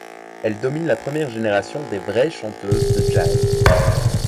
Elle domine la première génération des vraies chanteuses de jazz.